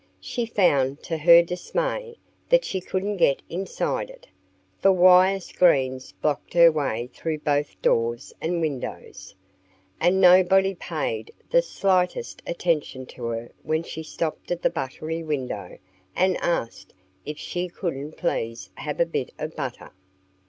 She found, to her dismay, that she couldn't get inside it; for wire screens blocked her way through both doors and windows. And nobody paid the slightest attention to her when she stopped at the buttery window and asked if she couldn't please have a bit of butter.